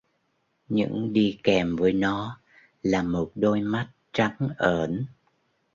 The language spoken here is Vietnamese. Những đi kèm với nó là một đôi mắt trắng ởn